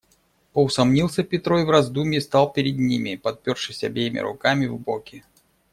Поусомнился Петро и в раздумьи стал перед ними, подпершись обеими руками в боки.